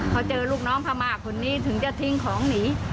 พอเจอลูกน้องพม่าคนนี้ถึงจะทิ้งของหนี